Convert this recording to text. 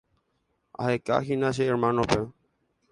Ahekahína che hermanope.